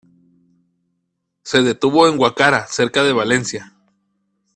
Se detuvo en Guacara cerca de Valencia.